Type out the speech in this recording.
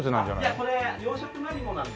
いやこれ養殖マリモなので。